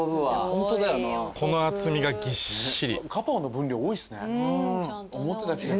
この厚みがぎっしり。